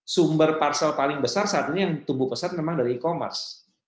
sumber parsel paling besar saat ini yang tumbuh pesat memang dari e commerce